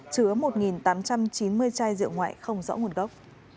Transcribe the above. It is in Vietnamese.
chứa một tám trăm chín mươi chai rượu ngoại không rõ nguồn gốc